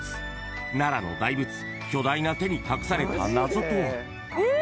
奈良の大仏巨大な手に隠された謎とは。